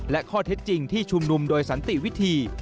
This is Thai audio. และข้อเท็จจริงที่ชุมนุมโดยสันติวิธี